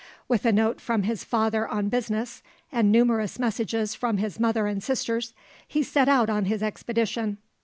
With a note from his father on business, and numerous messages from his mother and sisters, he set out on his expedition.